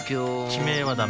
地名はダメ